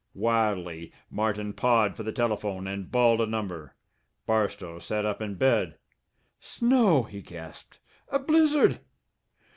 Wildly Martin pawed for the telephone and bawled a number. Barstow sat up in bed. "Snow!" he gasped. "A blizzard!"